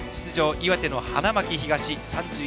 岩手の花巻東。